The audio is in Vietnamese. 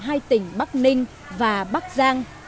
hai tỉnh bắc ninh và bắc giang